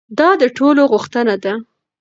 دا د ټولو غوښتنه ده.